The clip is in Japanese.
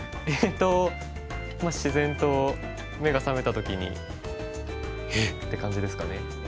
えっと自然と目が覚めた時にって感じですかね。